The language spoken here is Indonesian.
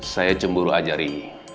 saya cemburu aja ri